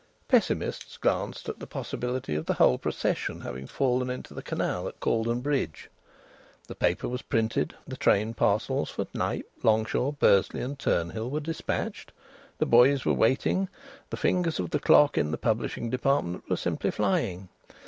Pessimists glanced at the possibility of the whole procession having fallen into the canal at Cauldon Bridge. The paper was printed, the train parcels for Knype, Longshaw, Bursley, and Turnhill were despatched; the boys were waiting; the fingers of the clock in the publishing department were simply flying.